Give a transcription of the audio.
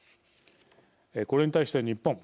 これに対して日本。